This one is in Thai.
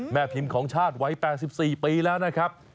แม่พิมพ์ของชาติวัย๘๔ปีแล้วนะครับ